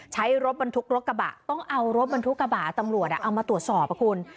ใช้รถบรรทุกรถกระบะต้องเอารถบรรทุกกระบะตำรวจเอามาตรวจสอบคุณ